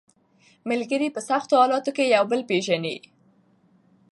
ملګري په سختو حالاتو کې یو بل پېژني